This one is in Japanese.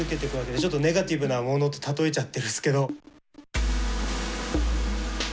ちょっとネガティブなもので例えちゃってるすけど。